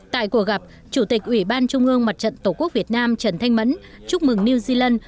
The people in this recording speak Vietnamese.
tại cuộc gặp chủ tịch ủy ban trung ương mặt trận tổ quốc việt nam trần thanh mẫn chúc mừng new zealand